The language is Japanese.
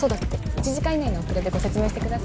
１時間以内の遅れでご説明してください。